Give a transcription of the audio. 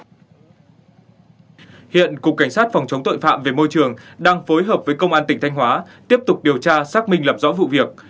hiện cục cảnh sát phòng chống tội phạm về môi trường đang phối hợp với công an tỉnh thanh hóa tiếp tục điều tra xác minh lập rõ vụ việc